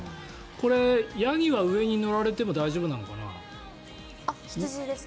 これ、ヤギは上に乗られても大丈夫なのかな？